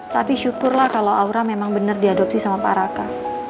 tapi syukurlah kalau aura memang bener diadopsi sama paraka